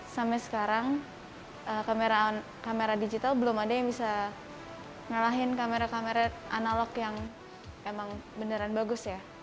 sampai sekarang kamera digital belum ada yang bisa ngalahin kamera kamera analog yang emang beneran bagus ya